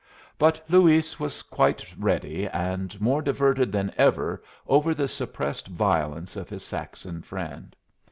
But Luis was quite ready, and more diverted than ever over the suppressed violence of his Saxon friend.